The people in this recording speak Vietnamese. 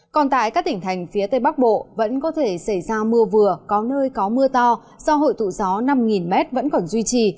còn tại các tỉnh thành phía tây bắc bộ vẫn có thể xảy ra mưa vừa có nơi có mưa to do hội tụ gió năm m vẫn còn duy trì